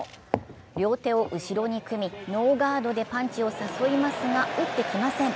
両手を後ろに組みノーガードでパンチを誘いますが打ってきません。